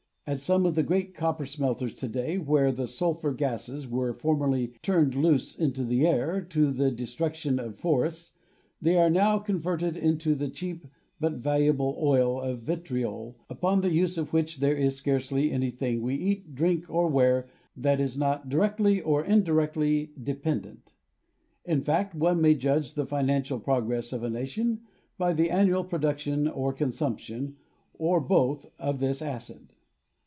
At some of the great copper smelters to day, where the sulphur gases were for merly turned loose into the air to the destruction of for ests, they are now converted into the cheap but valuable oil of vitriol, upon the use of which there is scarcely anything we eat, drink or wear that is not directly or indirectly de pendent. In fact, one may judge the financial progress of INTRODUCTION xi a nation by the annual production or consumption, or both, of this acid.